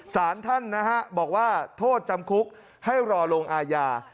สารท่านนะฮะบอกว่าโทษจำคุกให้รอลงอาญา